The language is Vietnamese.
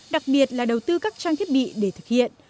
đặc biệt là đầu tư các trang thiết bị để thực hiện